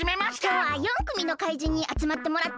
きょうは４くみの怪人にあつまってもらってます！